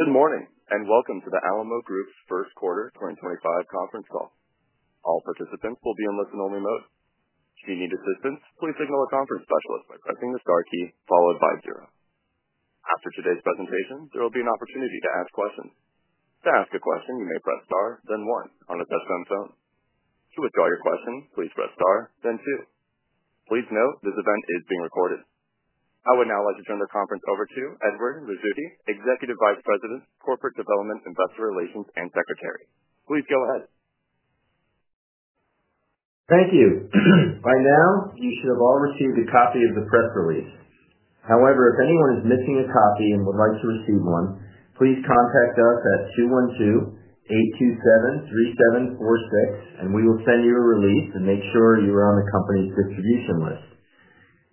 Good morning and welcome to the Alamo Group's first quarter 2025 conference call. All participants will be in listen-only mode. If you need assistance, please signal a conference specialist by pressing the star key followed by zero. After today's presentation, there will be an opportunity to ask questions. To ask a question, you may press star, then one. On a touch-tone phone, to withdraw your question, please press star, then two. Please note this event is being recorded. I would now like to turn the conference over to Edward Rizzuti, Executive Vice President, Corporate Development, Investor Relations, and Secretary. Please go ahead. Thank you. By now, you should have all received a copy of the press release. However, if anyone is missing a copy and would like to receive one, please contact us at 212-827-3746, and we will send you a release and make sure you are on the Company's Distribution List.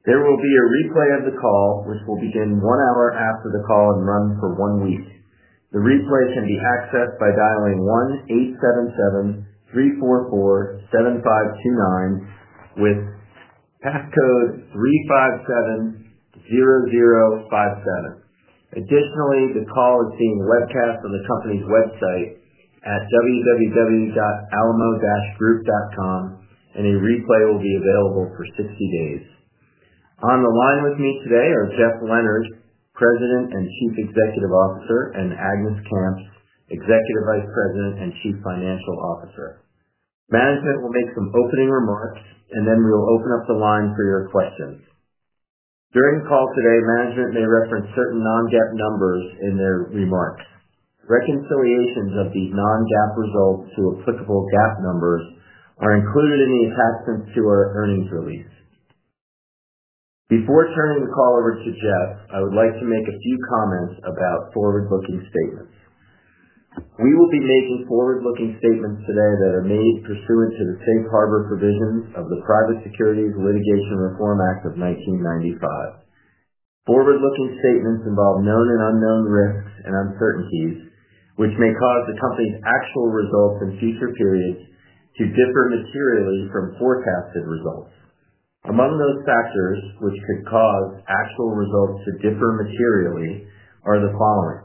There will be a replay of the call, which will begin one hour after the call and run for one week. The replay can be accessed by dialing 1-877-344-7529 with passcode 3570057. Additionally, the call is being webcast on the company's website at www.alamo.group.com, and a replay will be available for 60 days. On the line with me today are Jeff Leonard, President and Chief Executive Officer, and Agnes Kamps, Executive Vice President and Chief Financial Officer. Management will make some opening remarks, and then we will open up the line for your questions. During the call today, management may reference certain non-GAAP Numbers in their remarks. Reconciliations of these non-GAAP Results to applicable GAAP Numbers are included in the attachments to our Earnings Release. Before turning the call over to Jeff, I would like to make a few comments about Forward-Looking Statements. We will be making Forward-Looking Statements today that are made pursuant to the safe harbor provisions of the Private Securities Litigation Reform Act of 1995. Forward-Looking Statements involve known and unknown Risks and Uncertainties, which may cause the company's Actual Results in future periods to differ materially from Forecasted Results. Among those factors which could cause Actual Results to differ materially are the following: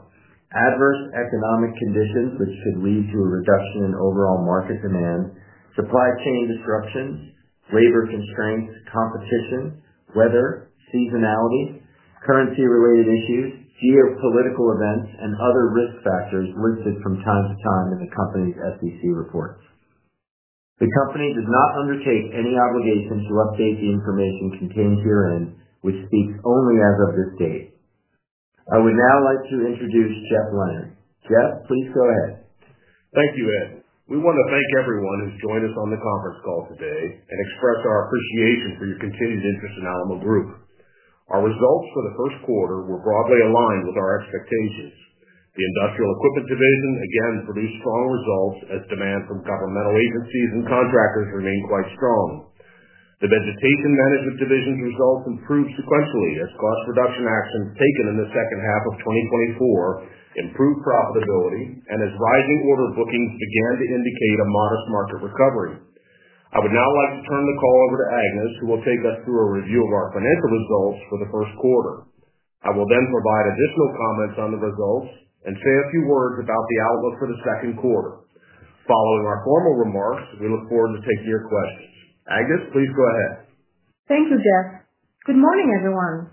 Adverse Economic Conditions which could lead to a reduction in overall Market Demand, Supply Chain Disruptions, Labor Constraints, Competition, Weather, Seasonality, Currency-related Issues, Geopolitical Events, and other Risk Factors listed from time to time in the company's SEC Reports. The company does not undertake any obligation to update the information contained herein which speaks only as of this date. I would now like to introduce Jeff Leonard. Jeff, please go ahead. Thank you, Ed. We want to thank everyone who's joined us on the conference call today and express our appreciation for your continued interest in Alamo Group. Our results for the first quarter were broadly aligned with our expectations. The Industrial Equipment Division again produced strong results as demand from governmental agencies and contractors remained quite strong. The Vegetation Management Division's results improved sequentially as cost reduction actions taken in the second half of 2024 improved profitability and as rising order bookings began to indicate a Modest Market Recovery. I would now like to turn the call over to Agnes, who will take us through a review of our financial results for the first quarter. I will then provide additional comments on the results and say a few words about the outlook for the second quarter. Following our formal remarks, we look forward to taking your questions. Agnes, please go ahead. Thank you, Jeff. Good morning, everyone.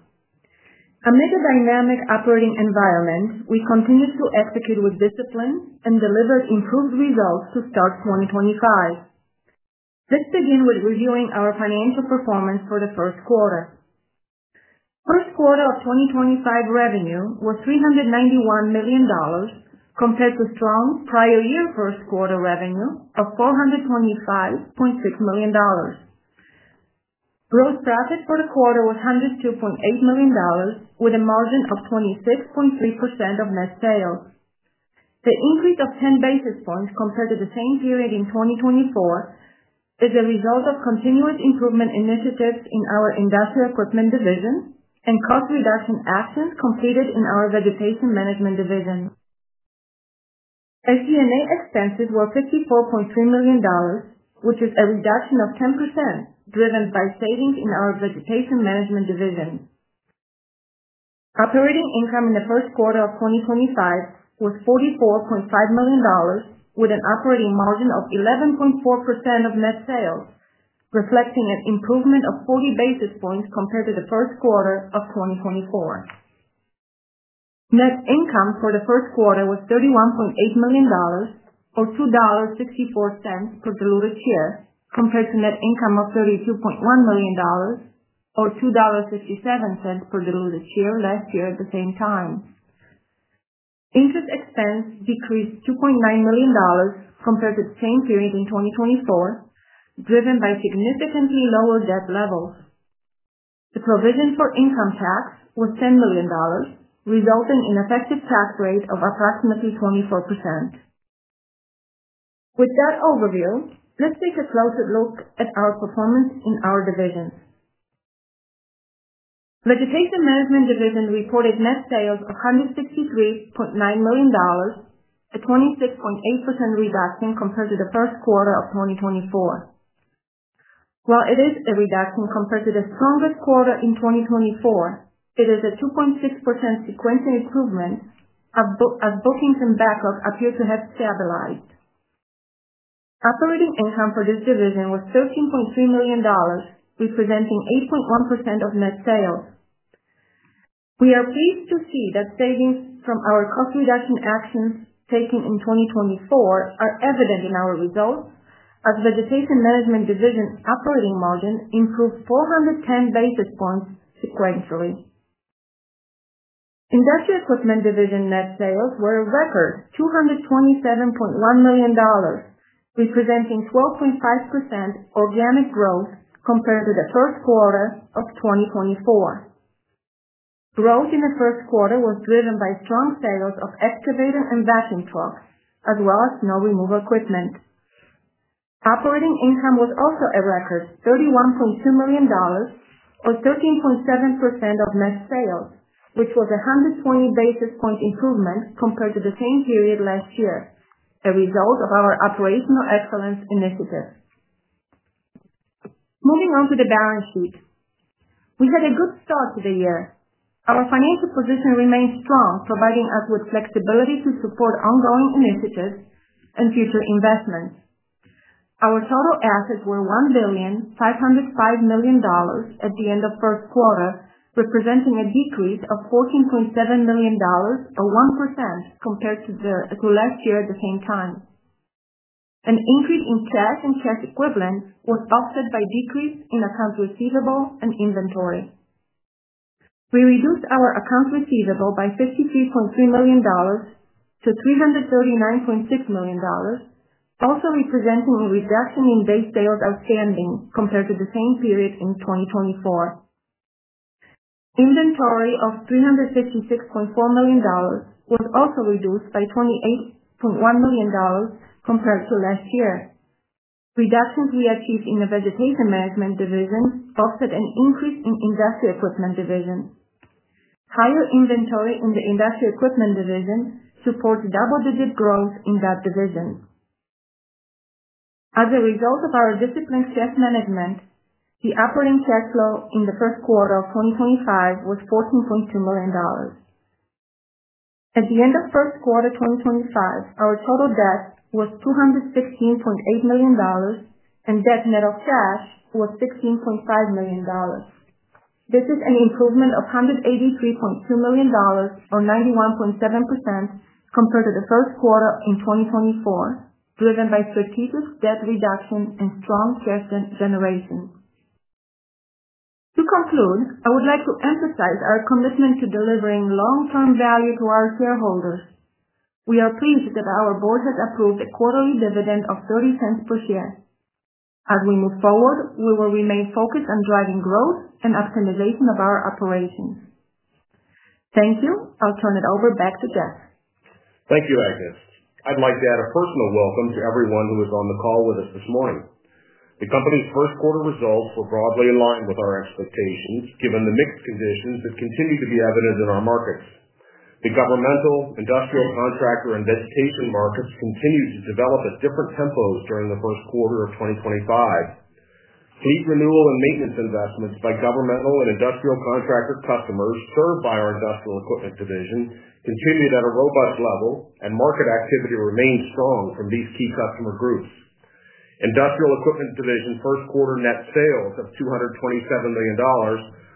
Amid a dynamic Operating Environment, we continued to execute with discipline and delivered improved results to start 2025. Let's begin with reviewing our Financial Performance for the first quarter. First quarter of 2025 revenue was $391 million compared to strong prior year first quarter revenue of $425.6 million. Gross profit for the quarter was $102.8 million with a margin of 26.3% of Net Sales. The increase of 10 basis points compared to the same period in 2024 is a result of continuous improvement initiatives in our Industrial Equipment Division and Cost Reduction Actions completed in our Vegetation Management Division. SG&A Expenses were $54.3 million, which is a reduction of 10% driven by savings in our Vegetation Management Division. Operating income in the first quarter of 2025 was $44.5 million with an Operating Margin of 11.4% of Net Sales, reflecting an improvement of 40 basis points compared to the first quarter of 2024. Net Income for the first quarter was $31.8 million or $2.64 per diluted share compared to Net Income of $32.1 million or $2.67 per diluted share last year at the same time. Interest Expense decreased $2.9 million compared to the same period in 2024, driven by significantly lower debt levels. The provision for Income Tax was $10 million, resulting in an effective tax rate of approximately 24%. With that overview, let's take a closer look at our performance in our divisions. Vegetation Management Division reported Net Sales of $163.9 million, a 26.8% reduction compared to the first quarter of 2024. While it is a reduction compared to the strongest quarter in 2024, it is a 2.6% sequential improvement as bookings and backlog appear to have stabilized. Operating Income for this division was $13.3 million, representing 8.1% of Net Sales. We are pleased to see that savings from our Cost Reduction Actions taken in 2024 are evident in our results as Vegetation Management Division's Operating Margin improved 410 basis points sequentially. Industrial Equipment Division Net Sales were a record $227.1 million, representing 12.5% organic growth compared to the first quarter of 2024. Growth in the first quarter was driven by strong sales of Excavators and Vacuum Trucks, as well as Snow Rremoval Equipment. Operating Income was also a record $31.2 million or 13.7% of Net Sales, which was a 120 basis point improvement compared to the same period last year, a result of our operational excellence initiative. Moving on to the Balance Sheet, we had a good start to the year. Our Financial Position remained strong, providing us with flexibility to support ongoing Initiatives and Future Investments. Our Total Assets were $1,505 million at the end of the first quarter, representing a decrease of $14.7 million, or 1% compared to last year at the same time. An increase in cash and cash equivalent was offset by a decrease in Accounts Receivable and Inventory. We reduced our accounts receivable by $53.3 million to $339.6 million, also representing a reduction in days sales outstanding compared to the same period in 2024. Inventory of $356.4 million was also reduced by $28.1 million compared to last year. Reductions we achieved in the Vegetation Management Division offset an increase in the Industrial Equipment Division. Higher Inventory in the Industrial Equipment Division supports double-digit growth in that division. As a result of our disciplined Cash Management, the Operating Cash Flow in the first quarter of 2025 was $14.2 million. At the end of the first quarter of 2025, our total debt was $216.8 million, and debt net of cash was $16.5 million. This is an improvement of $183.2 million, or 91.7% compared to the first quarter in 2024, driven by strategic debt reduction and strong cash generation. To conclude, I would like to emphasize our commitment to delivering long-term value to our shareholders. We are pleased that our board has approved a quarterly dividend of $0.30 per share. As we move forward, we will remain focused on driving growth and optimization of our operations. Thank you. I'll turn it over back to Jeff. Thank you, Agnes. I'd like to add a personal welcome to everyone who was on the call with us this morning. The company's first quarter results were broadly in line with our expectations given the mixed conditions that continue to be evident in our markets. The Governmental, Industrial, Contractor, and Vegetation Markets continued to develop at different tempos during the first quarter of 2025. Fleet Renewal and Maintenance Investments by Governmental and Industrial Contractor Customers served by our Industrial Equipment Division continued at a robust level, and market activity remained strong from these key Customer Groups. Industrial Equipment Division first quarter Net Sales of $227 million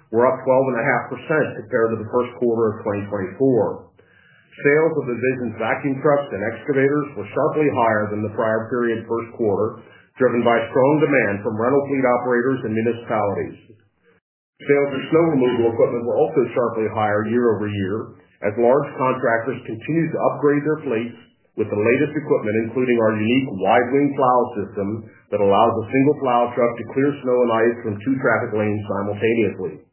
were up 12.5% compared to the first quarter of 2024. Sales of the division's Vacuum Trucks and Excavators were sharply higher than the prior period's first quarter, driven by strong demand from Rental Fleet Operators and Municipalities. Sales of Snow Removal Equipment were also sharply higher year-over-year as large contractors continued to upgrade their fleets with the latest equipment, including our unique Wide-Wing plow System that allows a Single Plow Truck to clear Snow and Ice from two traffic lanes simultaneously.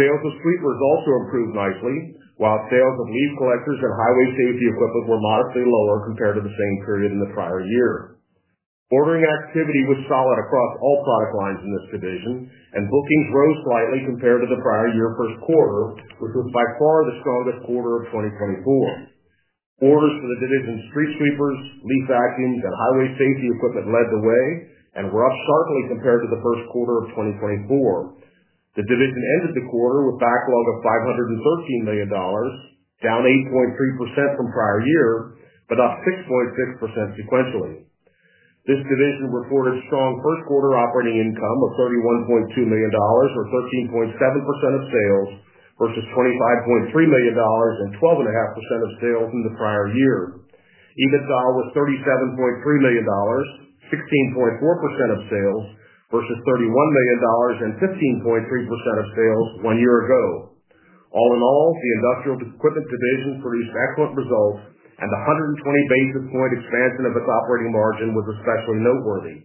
Sales of Sweepers also improved nicely, while sales of Leaf Collectors and Highway Safety Equipment were modestly lower compared to the same period in the prior year. Ordering activity was solid across all product lines in this division, and bookings rose slightly compared to the prior year first quarter, which was by far the strongest quarter of 2024. Orders for the division's Street Sweepers, Leaf Vacuums, and Highway Safety Equipment led the way and were up sharply compared to the first quarter of 2024. The division ended the quarter with a backlog of $513 million, down 8.3% from prior year, but up 6.6% sequentially. This division reported strong first quarter Operating Income of $31.2 million, or 13.7% of sales, versus $25.3 million and 12.5% of sales in the prior year. EBITDA was $37.3 million, 16.4% of sales, versus $31 million and 15.3% of sales one year ago. All in all, the Industrial Equipment Division produced excellent results, and the 120 basis point expansion of its Operating Margin was especially noteworthy.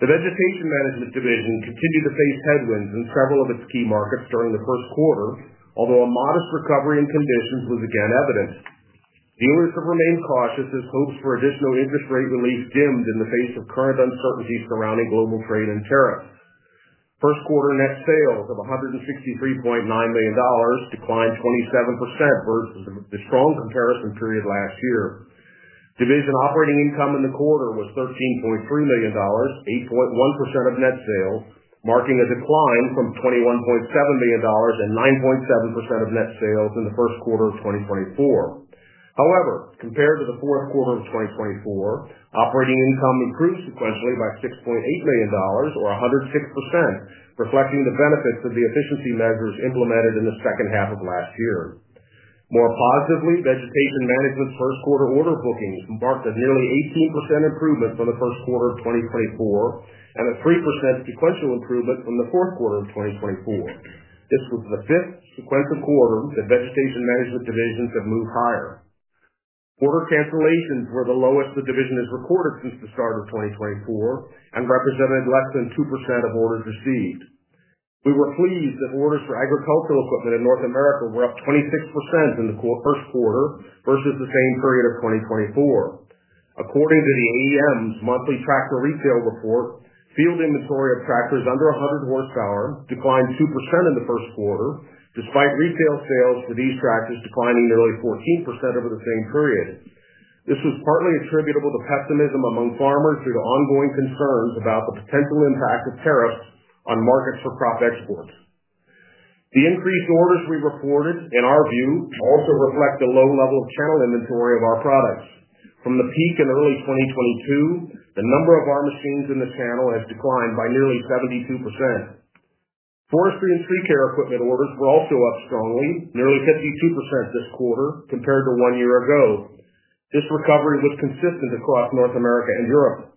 The Vegetation Management Division continued to face headwinds in several of its key markets during the first quarter, although a modest recovery in conditions was again evident. Dealers have remained cautious as hopes for additional interest rate relief dimmed in the face of current uncertainty surrounding Global Trade and Tariffs. First quarter Net Sales of $163.9 million declined 27% versus the strong comparison period last year. Division Operating Income in the quarter was $13.3 million, 8.1% of Net Sales, marking a decline from $21.7 million and 9.7% of Net Sales in the first quarter of 2024. However, compared to the fourth quarter of 2024, Operating Income improved sequentially by $6.8 million, or 106%, reflecting the benefits of the efficiency measures implemented in the second half of last year. More positively, Vegetation Management's first quarter order bookings marked a nearly 18% improvement from the first quarter of 2024 and a 3% sequential improvement from the fourth quarter of 2024. This was the fifth sequential quarter that Vegetation Management Divisions have moved higher. Order cancellations were the lowest the division has recorded since the start of 2024 and represented less than 2% of orders received. We were pleased that orders for Agricultural Equipment in North America were up 26% in the first quarter versus the same period of 2024. According to the AEM's monthly Tractor Retail Report, Field Inventory of tractors under 100 horsepower declined 2% in the first quarter, despite retail sales for these tractors declining nearly 14% over the same period. This was partly attributable to pessimism among farmers due to ongoing concerns about the potential impact of tariffs on markets for Crop Exports. The increased orders we reported, in our view, also reflect the low level of Channel Inventory of our products. From the peak in early 2022, the number of our machines in the channel has declined by nearly 72%. Forestry and tree care equipment orders were also up strongly, nearly 52% this quarter compared to one year ago. This recovery was consistent across North America and Europe.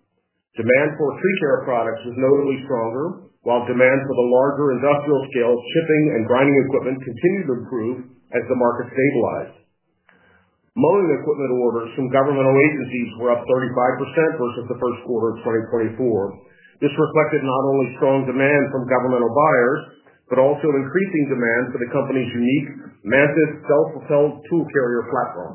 Demand for Tree Care Products was notably stronger, while demand for the larger Industrial Scale of Shipping and Grinding Equipment continued to improve as the market stabilized. Mowing Equipment orders from Governmental Agencies were up 35% versus the first quarter of 2024. This reflected not only strong demand from governmental buyers but also increasing demand for the company's unique Mantis self-propelled Tool Carrier Platform.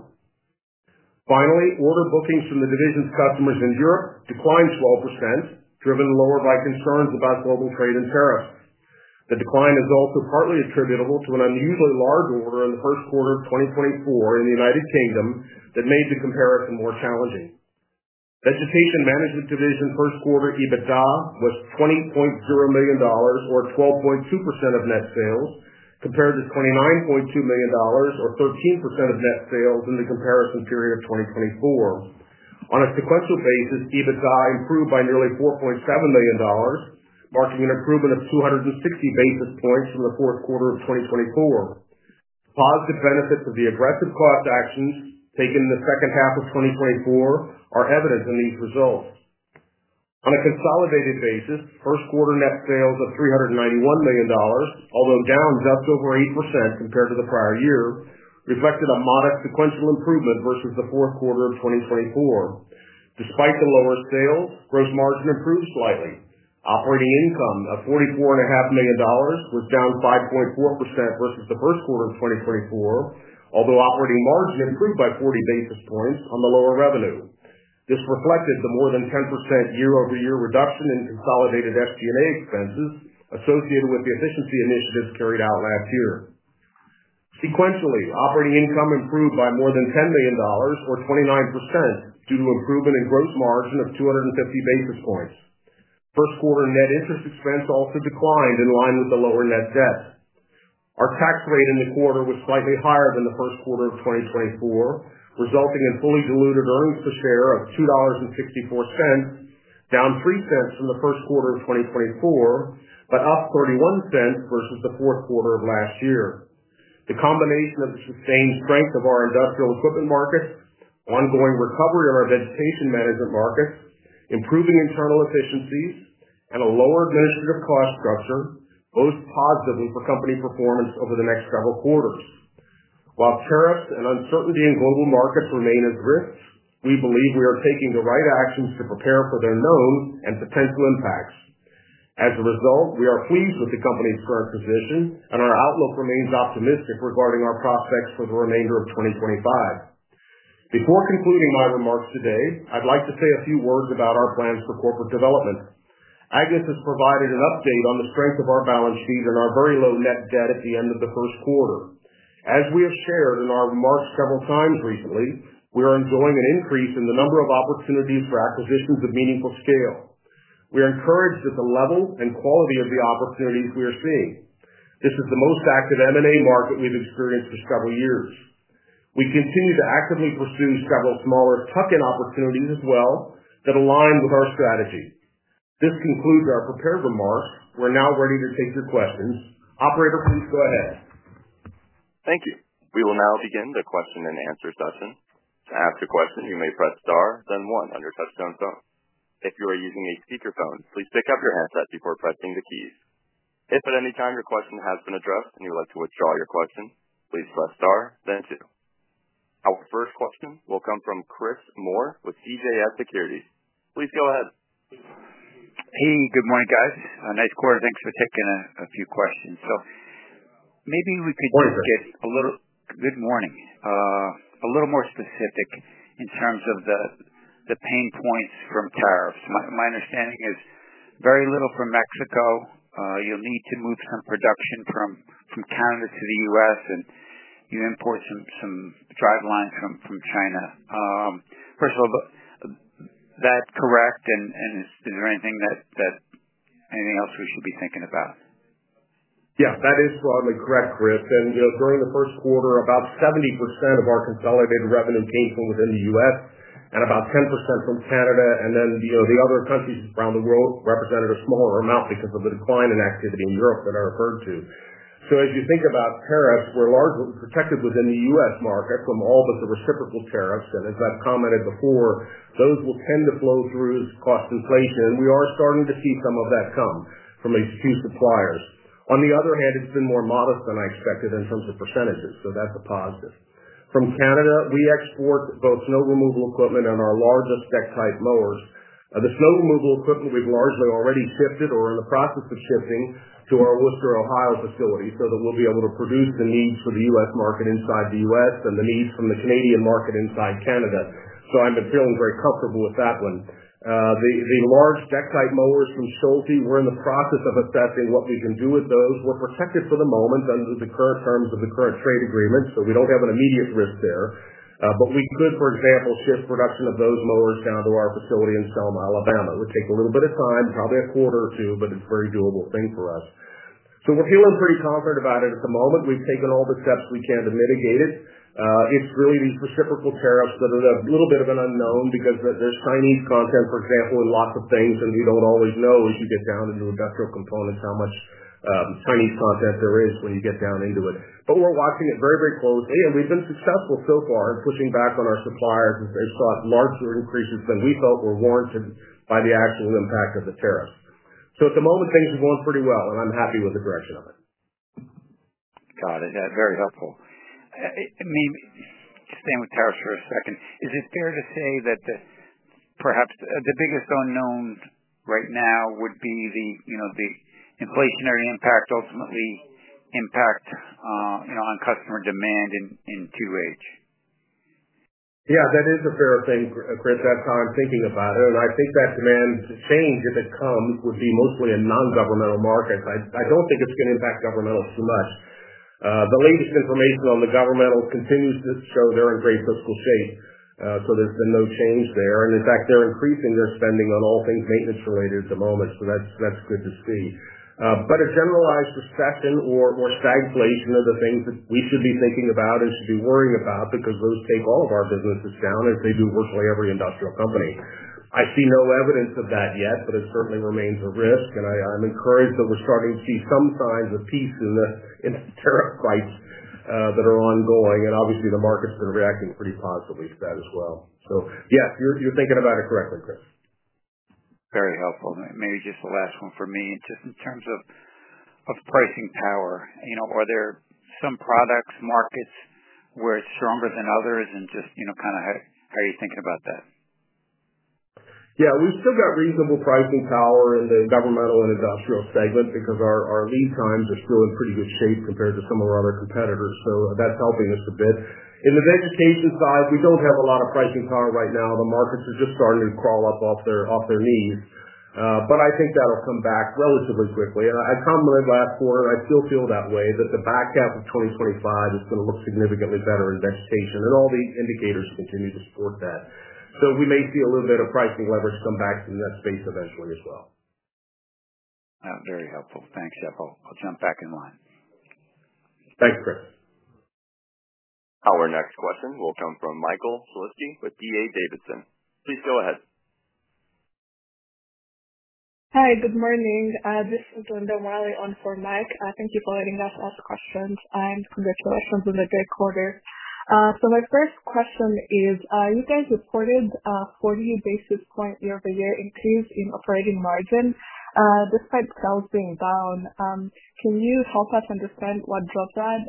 Finally, order bookings from the division's customers in Europe declined 12%, driven lower by concerns about global trade and tariffs. The decline is also partly attributable to an unusually large order in the first quarter of 2024 in the United Kingdom that made the comparison more challenging. Vegetation Management Division first quarter EBITDA was $20.0 million, or 12.2% of Net Sales, compared to $29.2 million, or 13% of Net Sales in the comparison period of 2024. On a sequential basis, EBITDA improved by nearly $4.7 million, marking an improvement of 260 basis points from the fourth quarter of 2024. Positive benefits of the aggressive cost actions taken in the second half of 2024 are evident in these results. On a consolidated basis, first quarter Net Sales of $391 million, although down just over 8% compared to the prior year, reflected a modest sequential improvement versus the fourth quarter of 2024. Despite the lower sales, Gross Margin improved slightly. Operating income of $44.5 million was down 5.4% versus the first quarter of 2024, although Operating Margin improved by 40 basis points on the lower revenue. This reflected the more than 10% year-over-year reduction in consolidated SG&A expenses associated with the efficiency initiatives carried out last year. Sequentially, Operating Income improved by more than $10 million, or 29%, due to improvement in Gross Margin of 250 basis points. First quarter Net Interest Expense also declined in line with the lower net debt. Our tax rate in the quarter was slightly higher than the first quarter of 2024, resulting in fully diluted earnings per share of $2.64, down 3% from the first quarter of 2024 but up 31% versus the fourth quarter of last year. The combination of the sustained strength of our Industrial Equipment Markets, ongoing recovery in our Vegetation Management Markets, improving internal efficiencies, and a lower administrative cost structure bodes positively for company performance over the next several quarters. While tariffs and uncertainty in Global Markets remain a risk, we believe we are taking the right actions to prepare for their known and potential impacts. As a result, we are pleased with the company's current position, and our outlook remains optimistic regarding our prospects for the remainder of 2025. Before concluding my remarks today, I'd like to say a few words about our plans for corporate development. Agnes has provided an update on the strength of our Balance Sheet and our very low net debt at the end of the first quarter. As we have shared in our remarks several times recently, we are enjoying an increase in the number of opportunities for acquisitions of meaningful scale. We are encouraged at the level and quality of the opportunities we are seeing. This is the most active M&A Market we've experienced for several years. We continue to actively pursue several smaller tuck-in opportunities as well that align with our strategy. This concludes our prepared remarks. We're now ready to take your questions. Operator, please go ahead. Thank you. We will now begin the question and answer session. To ask a question, you may press star, then one, on your touch-tone phone. If you are using a speakerphone, please pick up your handset before pressing the keys. If at any time your question has been addressed and you would like to withdraw your question, please press star, then two. Our first question will come from Chris Moore with CJS Securities. Please go ahead. Hey, good morning, guys. Nice quarter. Thanks for taking a few questions. Maybe we could just get a little good morning. A little more specific in terms of the pain points from tariffs. My understanding is very little from Mexico. You'll need to move some production from Canada to the U.S., and you import some drive lines from China. First of all, is that correct? Is there anything else we should be thinking about? Yeah, that is probably correct, Chris. During the first quarter, about 70% of our Consolidated Revenue came from within the U.S. and about 10% from Canada. The other countries around the world represented a smaller amount because of the decline in activity in Europe that I referred to. As you think about tariffs, we're largely protected within the U.S. Market from all but the reciprocal tariffs. As I've commented before, those will tend to flow through cost inflation. We are starting to see some of that come from a few suppliers. On the other hand, it's been more modest than I expected in terms of percentages, so that's a positive. From Canada, we export both Snow Removal Equipment and our largest Deck-type Mowers. The Snow Removal Equipment we've largely already shifted or are in the process of shifting to our Worcester, Ohio facility so that we'll be able to produce the needs for the U.S. Market inside the U.S. and the needs from the Canadian market inside Canada. I've been feeling very comfortable with that one. The large Deck-type Mowers from Schulte, we're in the process of assessing what we can do with those. We're protected for the moment under the current terms of the current Trade Agreement, so we don't have an immediate risk there. We could, for example, shift production of those Mowers down to our facility in Selma, Alabama. It would take a little bit of time, probably a quarter or two, but it's a very doable thing for us. We're feeling pretty confident about it at the moment. We've taken all the steps we can to mitigate it. It's really these reciprocal tariffs that are a little bit of an unknown because there's Chinese Content, for example, in lots of things, and we don't always know as you get down into industrial components how much Chinese Content there is when you get down into it. We're watching it very, very closely, and we've been successful so far in pushing back on our suppliers as they've sought larger increases than we felt were warranted by the actual impact of the tariffs. At the moment, things are going pretty well, and I'm happy with the direction of it. Got it. Yeah, very helpful. Just staying with tariffs for a second, is it fair to say that perhaps the biggest unknown right now would be the inflationary impact ultimately impact on Customer Demand in 2H? Yeah, that is a fair thing, Chris. That's how I'm thinking about it. I think that demand change if it comes would be mostly in non-Governmental Markets. I don't think it's going to impact Governmental too much. The latest information on the Governmental continues to show they're in great Fiscal Shape, so there's been no change there. In fact, they're increasing their spending on all things maintenance-related at the moment, so that's good to see. A generalized recession or stagflation are the things that we should be thinking about and should be worrying about because those take all of our businesses down as they do virtually every Industrial Company. I see no evidence of that yet, but it certainly remains a risk. I'm encouraged that we're starting to see some signs of peace in the tariff fights that are ongoing. Obviously, the market's been reacting pretty positively to that as well. Yes, you're thinking about it correctly, Chris. Very helpful. Maybe just the last one for me. Just in terms of pricing power, are there some products, markets where it's stronger than others? Just kind of how are you thinking about that? Yeah, we've still got reasonable pricing power in the Governmental and IndustrialSegment because our lead times are still in pretty good shape compared to some of our other competitors. That's helping us a bit. In the Vegetation side, we do not have a lot of pricing power right now. The markets are just starting to crawl up off their knees. I think that'll come back relatively quickly. I commented last quarter, and I still feel that way, that the back half of 2025 is going to look significantly better in Vegetation. All the indicators continue to support that. We may see a little bit of pricing leverage come back in that space eventually as well. Very helpful. Thanks, Jeff. I'll jump back in line. Thanks, Chris. Our next question will come from Michael Shlisky with D.A. Davidson. Please go ahead. Hi, good morning. This is Linda Wehrle on for Mike. Thank you for letting us ask questions. Congratulations on the great quarter. My first question is, you guys reported a 40 basis point year-over-year increase in Operating Margin despite sales being down. Can you help us understand what drove that?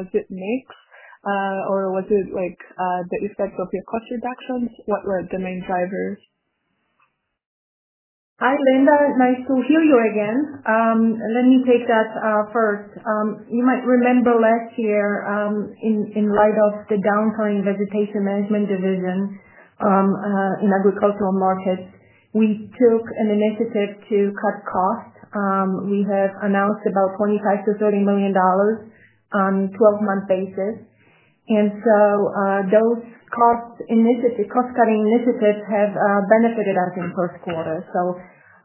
Was it mix? Or was it the effect of your cost reductions? What were the main drivers? Hi, Linda. Nice to hear you again. Let me take that first. You might remember last year, in light of the downturn in Vegetation Management Division in agricultural markets, we took an initiative to cut costs. We have announced about $25-$30 million on a 12-month basis. Those cost-cutting initiatives have benefited us in the first quarter.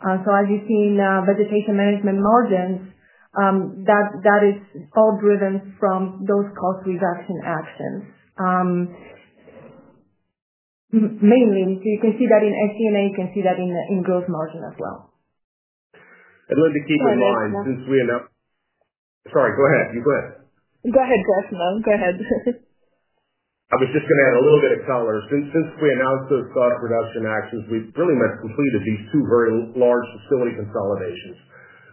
As you see in Vegetation Management margins, that is all driven from those Cost-Reduction Actions. Mainly, you can see that in SG&A. You can see that in Gross Margin as well. Linda, keep in mind, since we announced—sorry, go ahead. You go ahead. Go ahead, Jeff. No, go ahead. I was just going to add a little bit of color. Since we announced those Cost-Reduction Actions, we've really much completed these two very large facility consolidations,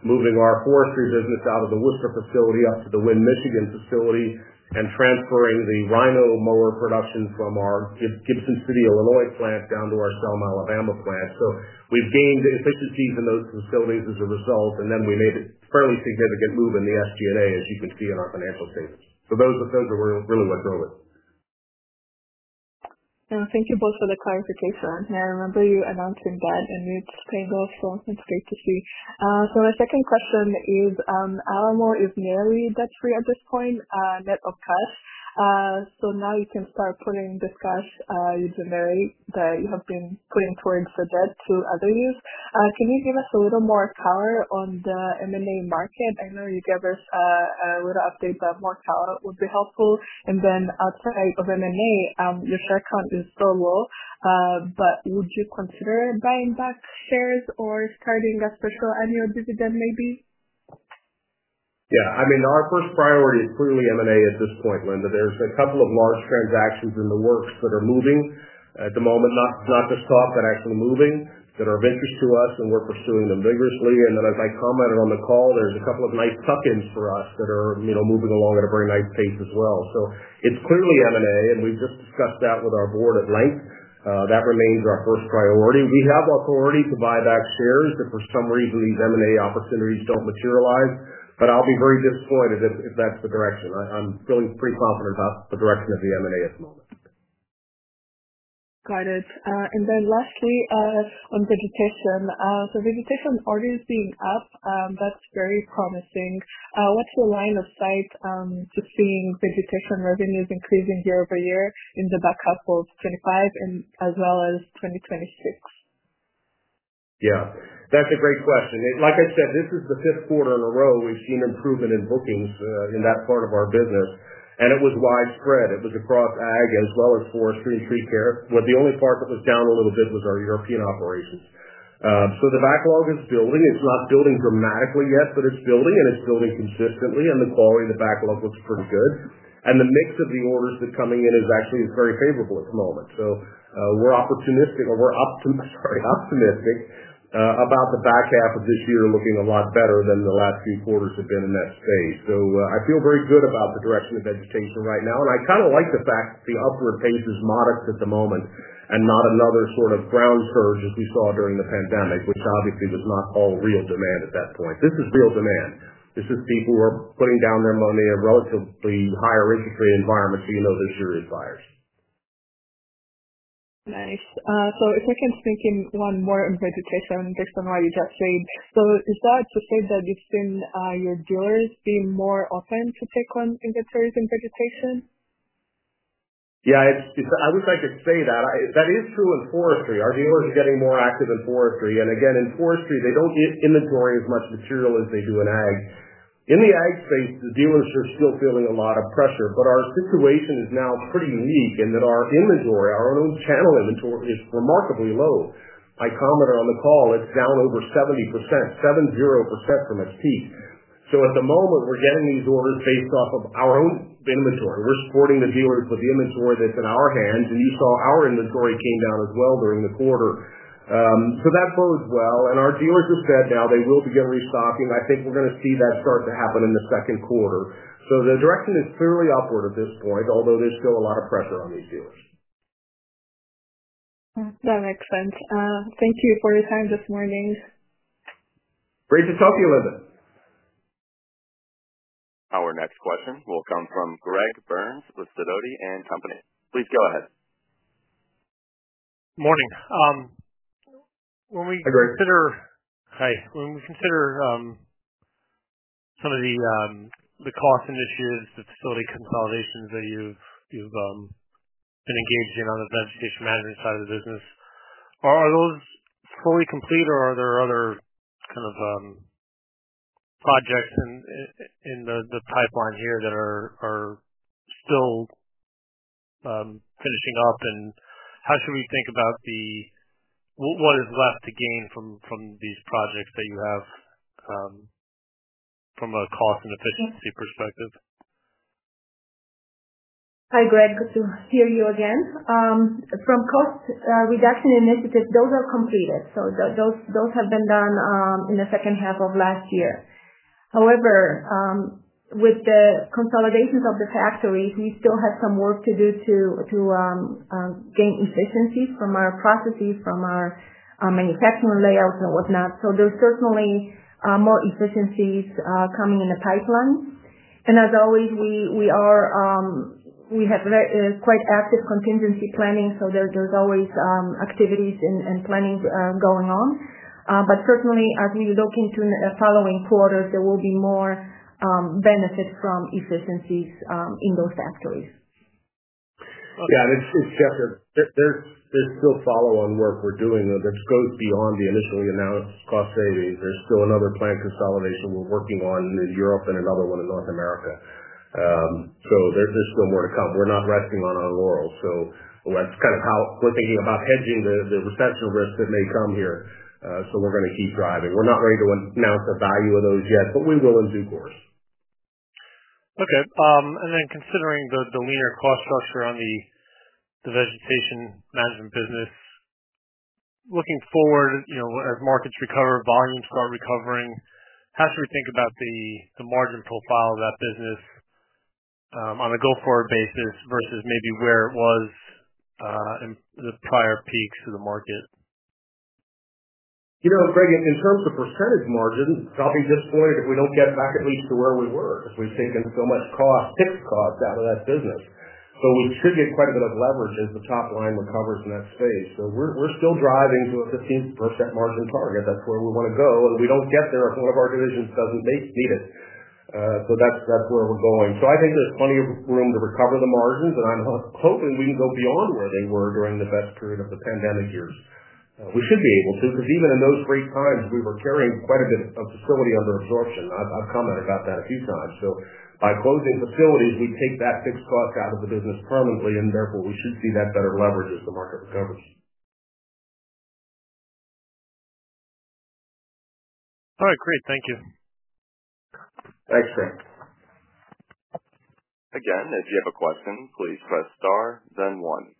moving our Forestry Business out of the Worcester facility up to the Wynn, Michigan facility and transferring the Rhino Mower Production from our Gibson City, Illinois plant down to our Selma, Alabama Plant. We have gained efficiencies in those facilities as a result. We made a fairly significant move in the SG&A, as you can see in our Financial Statements. Those are really what drove it. Yeah, thank you both for the clarification. I remember you announcing that, and it's come also. It's great to see. My second question is, Alamo is nearly debt-free at this point, net of cash. Now you can start putting this cash you generate that you have been putting towards the debt to other use. Can you give us a little more color on the M&A Market? I know you gave us a little update, but more color would be helpful. Outside of M&A, your share count is so low, but would you consider buying back shares or starting a special annual dividend maybe? Yeah. I mean, our first priority is clearly M&A at this point, Linda. There are a couple of large transactions in the works that are moving at the moment, not just stock, but actually moving that are of interest to us, and we are pursuing them vigorously. As I commented on the call, there are a couple of nice tuck-ins for us that are moving along at a very nice pace as well. It is clearly M&A, and we have just discussed that with our board at length. That remains our first priority. We have authority to buy back shares if, for some reason, these M&A opportunities do not materialize. I will be very disappointed if that is the direction. I am feeling pretty confident about the direction of the M&A at the moment. Got it. Lastly, on Vegetation. Vegetation orders being up, that's very promising. What's the line of sight to seeing Vegetation revenues increasing year-over-year in the back half of 2025 as well as 2026? Yeah, that's a great question. Like I said, this is the fifth quarter in a row we've seen improvement in bookings in that part of our business. It was widespread. It was across Ag as well as forestry and tree care. The only part that was down a little bit was our European Operations. The backlog is building. It's not building dramatically yet, but it's building, and it's building consistently. The quality of the backlog looks pretty good. The mix of the orders that are coming in is actually very favorable at the moment. We're opportunistic, or we're—sorry—optimistic about the back half of this year looking a lot better than the last few quarters have been in that space. I feel very good about the direction of Vegetation right now. I kind of like the fact that the upward pace is modest at the moment and not another sort of ground surge as we saw during the pandemic, which obviously was not all real demand at that point. This is real demand. This is people who are putting down their money in a relatively higher Interest Rate environment, so you know this year it fires. Nice. If I can sneak in one more on Vegetation based on what you just said, is that to say that you've seen your dealers being more open to take on Inventories in Vegetation? Yeah, I wish I could say that. That is true in forestry. Our dealers are getting more active in Forestry. And again, in Forestry, they do not inventory as much material as they do in Ag. In the Ag Space, the dealers are still feeling a lot of pressure. But our situation is now pretty unique in that our Inventory, our own channel Inventory, is remarkably low. I commented on the call. It is down over 70%, 70% from its peak. At the moment, we are getting these orders based off of our own Inventory. We are supporting the dealers with the Inventory that is in our hands. You saw our Inventory came down as well during the quarter. That bodes well. Our dealers have said now they will begin restocking. I think we are going to see that start to happen in the second quarter. The direction is clearly upward at this point, although there's still a lot of pressure on these dealers. That makes sense. Thank you for your time this morning. Great to talk to you, Linda. Our next question will come from Greg Burns with Sidoti & Company. Please go ahead. Morning. When we consider. Hi. Hi. When we consider some of the cost initiatives, the facility consolidations that you have been engaged in on the Vegetation Management side of the business, are those fully complete, or are there other kind of projects in the pipeline here that are still finishing up? How should we think about what is left to gain from these projects that you have from a cost and efficiency perspective? Hi, Greg. Good to hear you again. From cost reduction initiatives, those are completed. Those have been done in the second half of last year. However, with the consolidations of the factories, we still have some work to do to gain efficiencies from our processes, from our manufacturing layouts and whatnot. There are certainly more efficiencies coming in the pipeline. As always, we have quite active contingency planning, so there are always activities and planning going on. Certainly, as we look into the following quarters, there will be more benefits from efficiencies in those factories. Yeah. It is just there is still follow-on work we are doing that goes beyond the initially announced cost savings. There is still another plant consolidation we are working on in Europe and another one in North America. There is still more to come. We are not resting on our laurels. That is kind of how we are thinking about hedging the recession risk that may come here. We are going to keep driving. We are not ready to announce the value of those yet, but we will in due course. Okay. Considering the Linear Cost Structure on the Vegetation Management Business, looking forward, as markets recover, volumes start recovering, how should we think about the margin profile of that business on a go-forward basis versus maybe where it was in the prior peaks of the market? Greg, in terms of Percentage Margin, I'll be disappointed if we don't get back at least to where we were because we've taken so much fixed costs out of that business. We should get quite a bit of leverage as the top line recovers in that space. We're still driving to a 15% margin target. That's where we want to go. If we don't get there, if one of our divisions doesn't meet it, that's where we're going. I think there's plenty of room to recover the margins. I'm hoping we can go beyond where they were during the best period of the pandemic years. We should be able to because even in those great times, we were carrying quite a bit of facility under absorption. I've commented about that a few times. By closing facilities, we take that fixed cost out of the business permanently. Therefore, we should see that better leverage as the market recovers. All right. Great. Thank you. Thanks, Greg. Again, if you have a question, please press star, then one.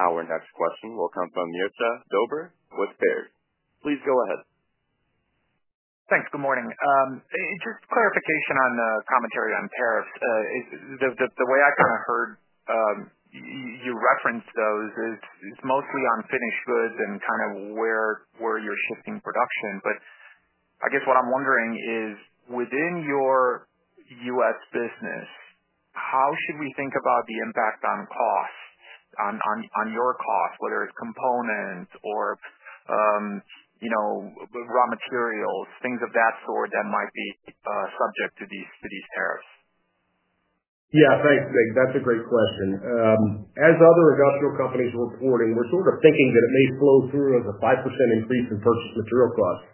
Our next question will come from Mircea Dobre with Baird. Please go ahead. Thanks. Good morning. Just clarification on the commentary on tariffs. The way I kind of heard you referenced those is mostly on finished goods and kind of where you're shifting production. I guess what I'm wondering is, within your U.S. business, how should we think about the impact on cost, on your cost, whether it's components or raw materials, things of that sort that might be subject to these tariffs? Yeah. Thanks, Greg. That's a great question. As other industrial companies are reporting, we're sort of thinking that it may flow through as a 5% increase in purchase Material Costs.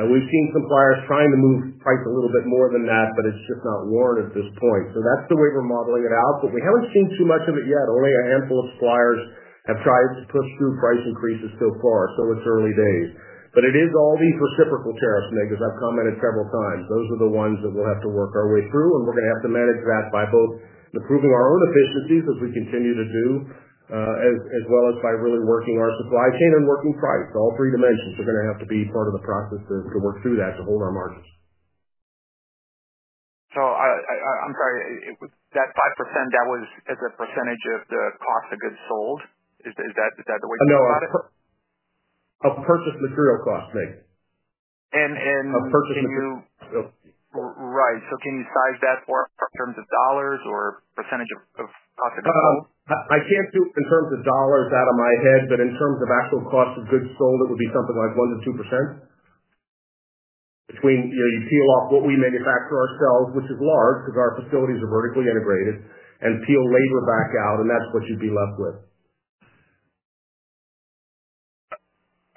We've seen suppliers trying to move price a little bit more than that, but it's just not warranted at this point. That's the way we're modeling it out. We haven't seen too much of it yet. Only a handful of suppliers have tried to push through price increases so far. It's early days. It is all these reciprocal tariffs because I've commented several times. Those are the ones that we'll have to work our way through. We're going to have to manage that by both improving our own efficiencies, as we continue to do, as well as by really working our Supply Chain and Working Price. All three dimensions are going to have to be part of the process to work through that to hold our margins. I'm sorry. That 5%, that was as a percentage of the Cost of Goods Sold? Is that the way you think about it? No. Of purchase material cost, Mirc. Can you? Right. So can you size that for us in terms of dollars or percentage of Cost of Goods Sold? I can't do it in terms of dollars out of my head, but in terms of Actual Cost of Goods Sold, it would be something like 1-2%. You peel off what we manufacture ourselves, which is large because our facilities are vertically integrated, and peel labor back out. That's what you'd be left with.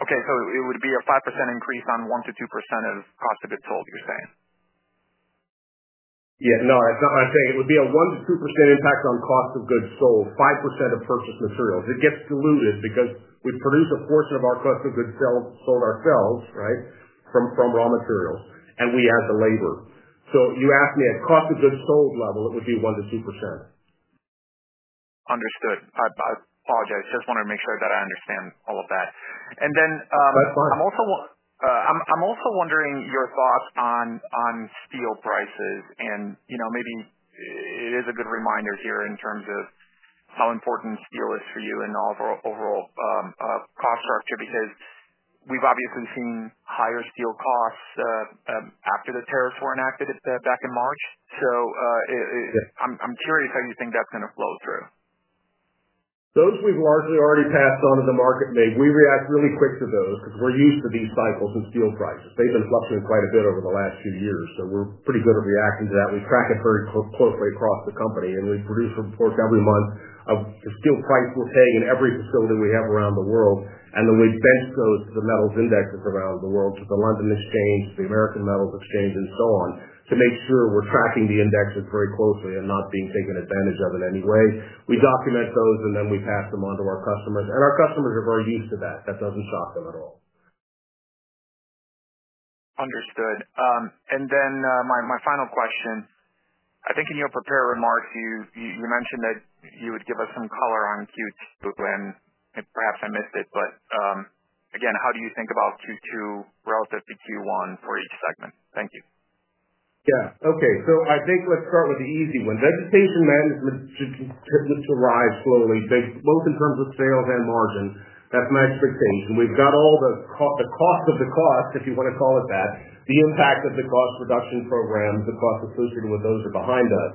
Okay. So it would be a 5% increase on 1-2% of Cost of Goods Sold, you're saying? Yeah. No, I was saying it would be a 1%-2% impact on Cost of Goods Sold, 5% of purchase materials. It gets diluted because we produce a portion of our Cost of Goods Sold ourselves, right, from raw materials, and we add the labor. You asked me at Cost of Goods Sold level, it would be 1%-2%. Understood. I apologize. Just wanted to make sure that I understand all of that. Then. That's fine. I'm also wondering your thoughts on Steel Prices. Maybe it is a good reminder here in terms of how important steel is for you and overall Cost Structure because we've obviously seen higher Steel Costs after the tariffs were enacted back in March. I'm curious how you think that's going to flow through. Those we've largely already passed on to the market. We react really quick to those because we're used to these cycles in steel prices. They've been fluctuating quite a bit over the last few years. We are pretty good at reacting to that. We track it very closely across the company. We produce reports every month of the steel price we're paying in every facility we have around the world. We bench those to the metals indexes around the world, to the London Exchange, to the American Metals Exchange, and so on, to make sure we're tracking the indexes very closely and not being taken advantage of in any way. We document those, and we pass them on to our customers. Our customers are very used to that. That does not shock them at all. Understood. And then my final question. I think in your prepared remarks, you mentioned that you would give us some color on Q2. And perhaps I missed it. But again, how do you think about Q2 relative to Q1 for each segment? Thank you. Yeah. Okay. I think let's start with the easy one. Vegetation Management should just arrive slowly, both in terms of Sales and Margin. That's my expectation. We've got all the cost of the cost, if you want to call it that, the impact of the Cost Reduction Program, the cost associated with those are behind us.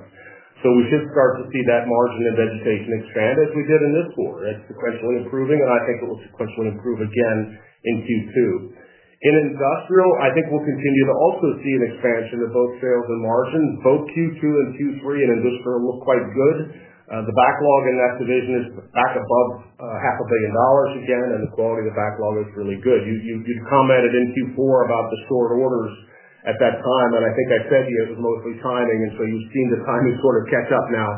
We should start to see that margin in Vegetation expand as we did in this quarter. It's sequentially improving. I think it will sequentially improve again in Q2. In Industrial, I think we'll continue to also see an expansion of both sales and margin. Both Q2 and Q3 in industrial look quite good. The backlog in that division is back above $500,000,000 again. The quality of the backlog is really good. You'd commented in Q4 about the short orders at that time. I think I said to you it was mostly timing. You have seen the timing sort of catch up now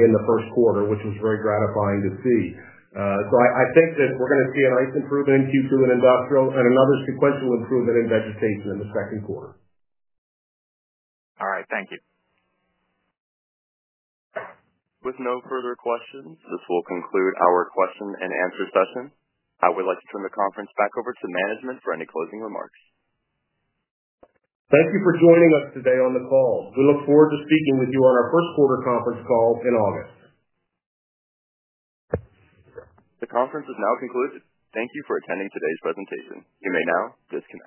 in the first quarter, which was very gratifying to see. I think that we are going to see a nice improvement in Q2 in Industrial and another sequential improvement in Vegetation in the second quarter. All right. Thank you. With no further questions, this will conclude our question and answer session. I would like to turn the conference back over to management for any closing remarks. Thank you for joining us today on the call. We look forward to speaking with you on our first quarter conference call in August. The conference is now concluded. Thank you for attending today's presentation. You may now disconnect.